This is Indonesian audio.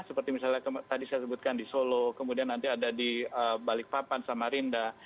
seperti misalnya tadi saya sebutkan di solo kemudian nanti ada di balikpapan samarinda